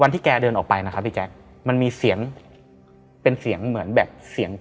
ที่แกเดินออกไปนะครับพี่แจ๊คมันมีเสียงเป็นเสียงเหมือนแบบเสียง